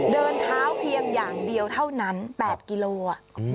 เดินเท้าเพียงอย่างเดียวเท่านั้น๘กิโล